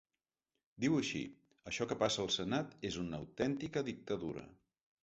Diu així: Això que passa al senat és una autèntica dictadura.